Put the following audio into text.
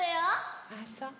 ああそう。